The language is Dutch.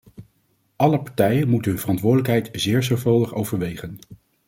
Alle partijen moeten hun verantwoordelijkheid zeer zorgvuldig overwegen.